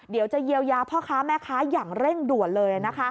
เดี๋ยวจะเยียวยาพ่อค้าแม่ค้าอย่างเร่งด่วนเลย